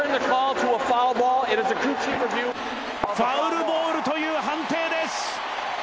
ファウルボールという判定です！